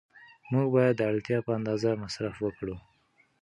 موږ باید د اړتیا په اندازه مصرف وکړو.